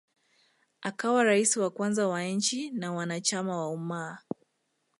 akawa rais wa kwanza wa nchi na wanachama wa Ummar